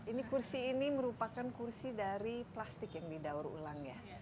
ini kursi ini merupakan kursi dari plastik yang didaur ulang ya